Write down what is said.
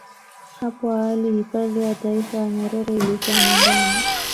Hapo awali hifadhi ya Taifa ya Nyerere ilikuwa nyumbani